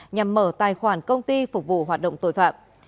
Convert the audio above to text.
nhằm mở tài khoản công ty phục vụ hoạt động tội phạm